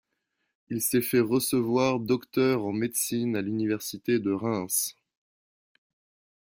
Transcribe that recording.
Il s'est fait recevoir docteur en médecine à l'Université de Reims.